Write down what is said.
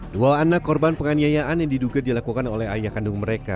dua anak korban penganiayaan yang diduga dilakukan oleh ayah kandung mereka